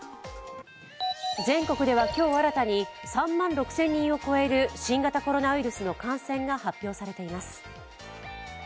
全国では今日新たに３万６０００人を超える新型コロナウイルスの感染が発表されています。